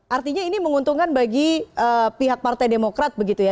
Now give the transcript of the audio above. artinya ini menguntungkan bagi pihak partai demokrat begitu ya